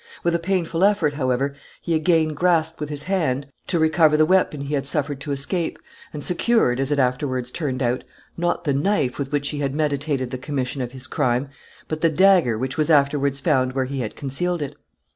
With a painful effort, however, he again grasped with his hand to recover the weapon he had suffered to escape, and secured, as it afterwards turned out, not the knife with which he had meditated the commission of his crime, but the dagger which was afterwards found where he had concealed it.